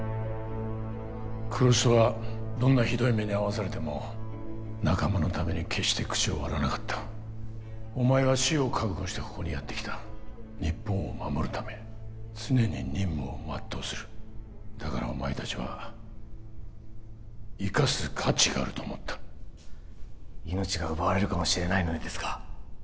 黒須はどんなひどい目に遭わされても仲間のために決して口を割らなかったお前は死を覚悟してここにやってきた日本を守るため常に任務を全うするだからお前たちは生かす価値があると思った命が奪われるかもしれないのにですか？